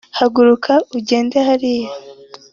haguruka ugende hariya